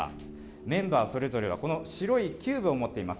メンバーそれぞれは、この白いキューブを持っています。